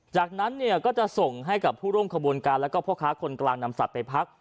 จากนั้นเนี่ยก็จะส่งให้กับผู้ร่วมขบวนการแล้วก็พ่อค้าคนกลางนำสัตว์ไปพัก